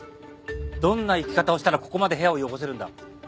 どんな生き方をしたらここまで部屋を汚せるんだ。